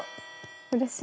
うれしい。